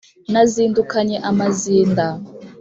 Nazindukanye amazinda